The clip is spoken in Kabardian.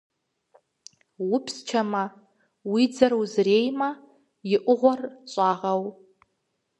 Упсчэмэ, уи дзэр узреймэ, и ӏугъуэр щӏагъэу.